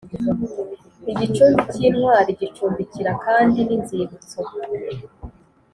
Igicumbi cy intwari gicumbikira kandi n inzibutso